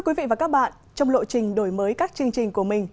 quý vị và các bạn trong lộ trình đổi mới các chương trình của mình